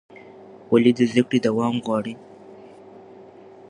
ولې زده کړه دوام غواړي؟